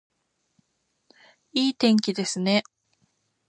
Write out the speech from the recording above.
いい天気ですね